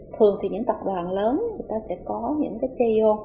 thường thì những tập đoàn lớn người ta sẽ có những cái col